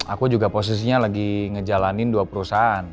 aku juga posisinya lagi ngejalanin dua perusahaan